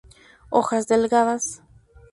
Hojas delgadas.